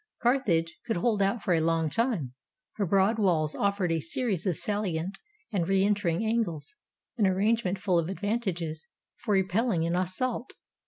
Carthage could hold out for a long time; her broad walls offered a series of salient and reentering angles — an arrangement full of advantages for repelUng an as sault.